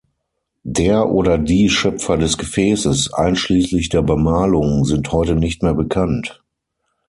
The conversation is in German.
Der oder die Schöpfer des Gefäßes einschließlich der Bemalung sind heute nicht mehr bekannt.